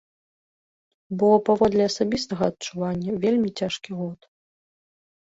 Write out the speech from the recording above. Бо, паводле асабістага адчування, вельмі цяжкі год.